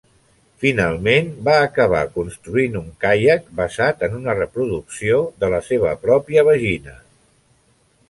Finalment va acabar construint un caiac basat en una reproducció de la seva pròpia vagina.